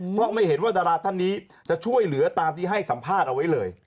เพราะไม่เห็นว่าดาราท่านนี้จะช่วยเหลือตามที่ให้สัมภาษณ์เอาไว้เลย